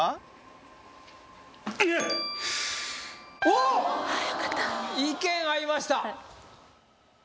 おっ意見合いました